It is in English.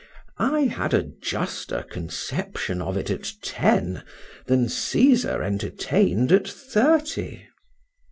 I had a juster conception of it at ten than Caesar entertained at thirty.